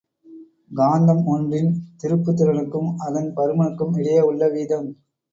காந்தம் ஒன்றின் திருப்புத்திறனுக்கும் அதன் பருமனுக்கும் இடையே உள்ள வீதம்.